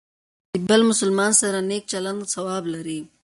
د بل مسلمان سره نیک چلند ثواب لري.